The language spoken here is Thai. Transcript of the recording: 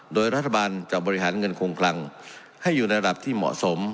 โดยรัฐบาลจะบริหารเงินคงคลังให้อยู่ในระดับที่เหมาะสม